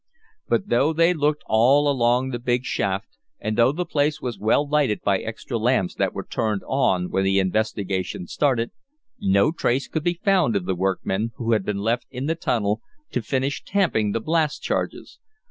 But though they looked all along the big shaft, and though the place was well lighted by extra lamps that were turned on when the investigation started, no trace could be found of the workmen, who had been left in the tunnel to finish tamping the blast charges.